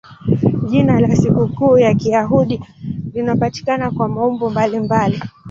Jina la sikukuu ya Kiyahudi linapatikana kwa maumbo mbalimbali.